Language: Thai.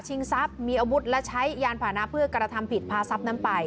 ชิงทรัพย์มีอบุตรและใช้ยานผนาพฤกษ์การทำผิดพาทรัพย์นั้นไป